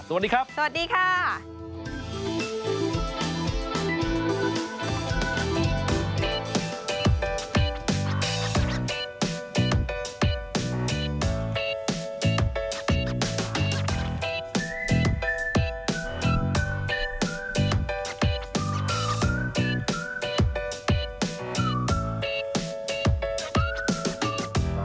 สวัสดีครับสวัสดีค่ะ